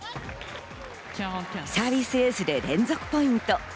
サービスエースで連続ポイント。